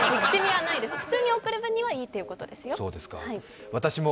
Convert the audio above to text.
普通に送る分には、いいということですよ。